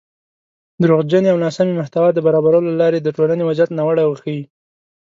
دروغجنې او ناسمې محتوا د برابرولو له لارې د ټولنۍ وضعیت ناوړه وښيي